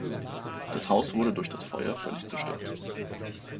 Das Haus wurde durch das Feuer völlig zerstört.